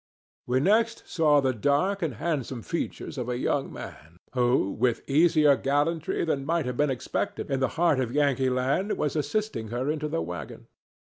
We next saw the dark and handsome features of a young man who, with easier gallantry than might have been expected in the heart of Yankee land, was assisting her into the wagon.